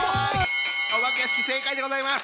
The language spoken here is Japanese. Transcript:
おばけ屋敷正解でございます！